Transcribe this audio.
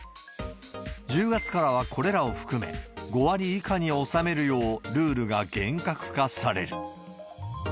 １０月からはこれらを含め、５割以下に収めるよう、ルールが厳格化される。